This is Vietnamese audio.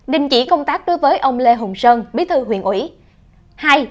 đình chỉ công tác đối với ông lê hùng sơn bí thư huyện ủy